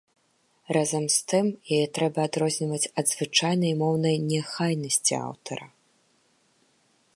Разам з тым яе трэба адрозніваць ад звычайнай моўнай неахайнасці аўтара.